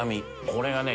これがね